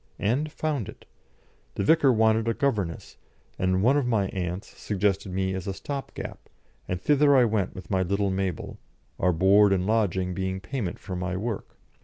And found it. The vicar wanted a governess, and one of my aunts suggested me as a stop gap, and thither I went with my little Mabel, our board and lodging being payment for my work.